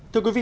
thưa quý vị